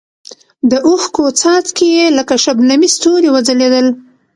د اوښکو څاڅکي یې لکه شبنمي ستوري وځلېدل.